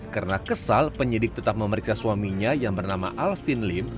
karena kesal penyidik tetap memeriksa suaminya yang bernama alvin lim